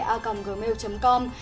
a còng gmail com